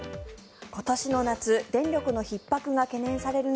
今年の夏電力のひっ迫が懸念される